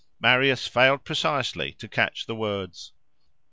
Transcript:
Marius failed precisely to catch the words.